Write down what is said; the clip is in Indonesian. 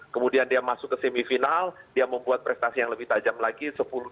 kemudian dia masuk ke semifinal dia membuat prestasi yang lebih tajam lagi sepuluh dua puluh empat